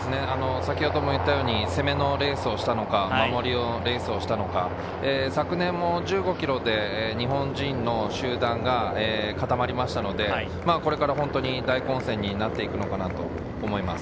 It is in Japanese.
攻めのレースをしたのか、守りのレースをしたのか、昨年も１５ｋｍで日本人の集団が固まりましたので、これから大混戦になっていくのかなと思います。